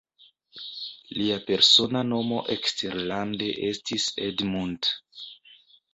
Lia persona nomo eksterlande estis "Edmund".